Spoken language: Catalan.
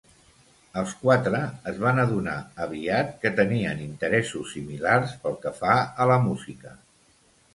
Els quatre es van adonar aviat que tenien interessos similars pel que fa a la música.